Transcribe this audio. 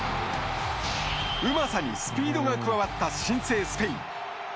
うまさにスピードが加わった新生スペイン。